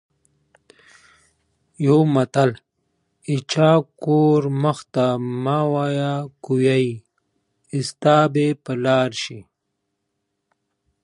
ټیکنالوژي ژوند اسانه کوي.